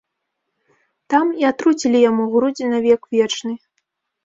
Там і атруцілі яму грудзі на век вечны.